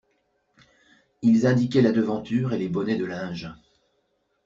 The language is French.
Ils indiquaient la devanture et les bonnets de linge.